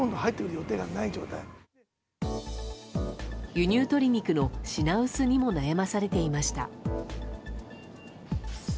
輸入鶏肉の品薄にも悩まされていました。